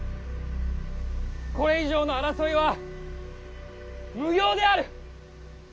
これ以上の争いは無用である！